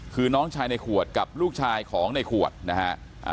คือน้องชายในขวดกับลูกชายของในขวดนะฮะ